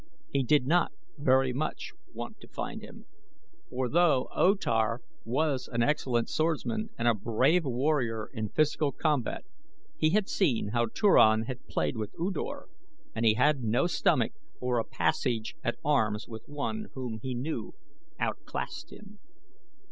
He did not very much want to find him, for though O Tar was an excellent swordsman and a brave warrior in physical combat, he had seen how Turan had played with U Dor and he had no stomach for a passage at arms with one whom he knew outclassed him.